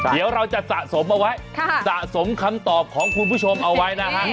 เดี๋ยวเราจะสะสมเอาไว้สะสมคำตอบของคุณผู้ชมเอาไว้นะฮะ